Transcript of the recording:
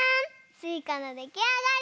すいかのできあがり！